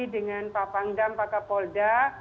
dengan pak pangdam pak kapolda